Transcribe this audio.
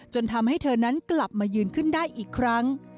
ทำให้เธอนั้นกลับมายืนขึ้นได้อีกครั้ง